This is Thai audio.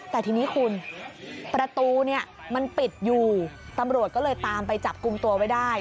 แต่ทีนี้คุณประตูเนี่ยมันปิดอยู่ตำรวจก็เลยตามไปจับกลุ่มตัวไว้ได้